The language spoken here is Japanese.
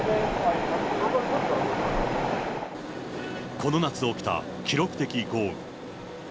この夏起きた記録的豪雨。